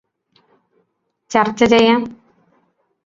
ചര്ച്ച ചെയ്യാം